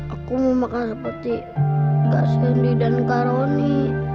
aku mau makan seperti kak sandy dan kak roni